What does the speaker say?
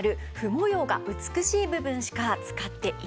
模様が美しい部分しか使っていません。